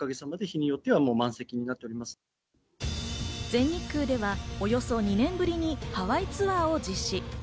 全日空ではおよそ２年ぶりにハワイツアーを実施。